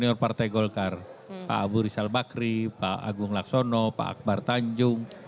senior partai golkar pak abu rizal bakri pak agung laksono pak akbar tanjung